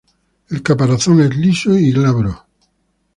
El caparazón es liso y glabro.